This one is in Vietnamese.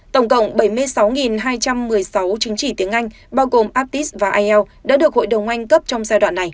tổng cộng bảy mươi sáu hai trăm một mươi sáu chứng chỉ tiếng anh bao gồm aptis và ielts đã được hội đồng anh cấp trong giai đoạn này